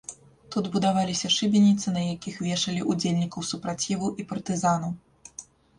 Тут будаваліся шыбеніцы, на якіх вешалі ўдзельнікаў супраціву і партызанаў.